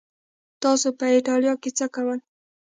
تاسو په ایټالیا کې څه کول؟